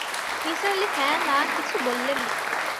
নিসার আলি হ্যাঁ, না কিছু বললেন না।